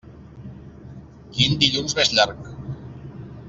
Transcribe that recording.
Quin dilluns més llarg!